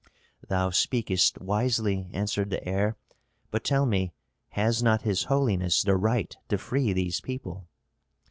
"Thou speakest wisely," answered the heir. "But tell me, has not his holiness the right to free these people?"